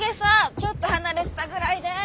ちょっと離れてたぐらいで！